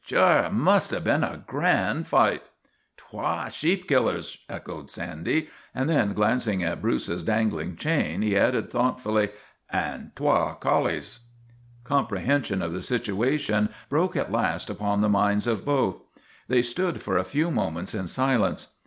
" Sure, it must have been a grand fight !'" Twa sheep killers," echoed Sandy; and then, glancing at Bruce's dangling chain, he added thoughtfully :" And twa collies." Comprehension of the situation broke at last upon the minds of both. They stood for a few moments in silence.